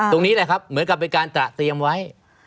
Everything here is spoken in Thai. ตรงนี้แหละครับเหมือนกับเป็นการตระเตรียมไว้